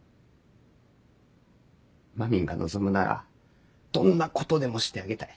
まみんが望むならどんなことでもしてあげたい。